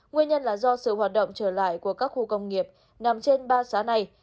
nguyên nhân là do sự hoạt động trở lại của các khu công nghiệp nằm trên ba xã này